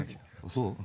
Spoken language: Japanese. そう？